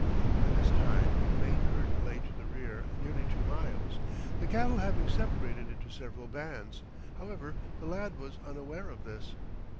By this time the main herd lay to the rear nearly two miles, the cattle having separated into several bands. However, the lad was unaware of this.